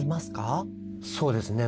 そうですね。